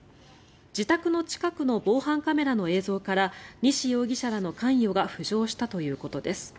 自宅の近くの防犯カメラの映像から西容疑者らの関与が浮上したということです。